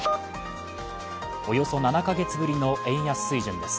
およそ７か月ぶりの円安水準です。